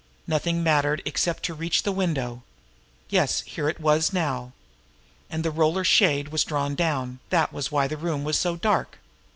Nothing mattered except to reach the window. Yes, here it was now! And the roller shade was drawn down; that was why the room was so dark.